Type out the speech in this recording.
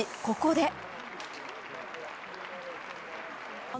ここで。